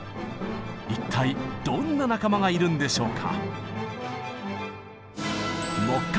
一体どんな仲間がいるんでしょうか。